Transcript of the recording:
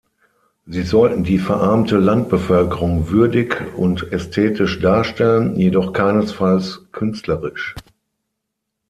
Sie sollten die verarmte Landbevölkerung würdig und ästhetisch darstellen, jedoch keinesfalls künstlerisch.